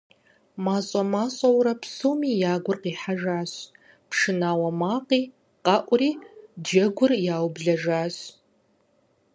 МащӀэ-мащӀэурэ псоми я гур къихьэжащ, пшынауэ макъи къэӀури, джэгур яублэжащ.